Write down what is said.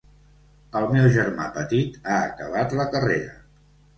El meu germà petit ha acabat la carrera.